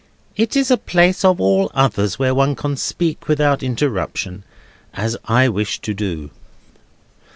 "It is a place of all others where one can speak without interruption, as I wish to do.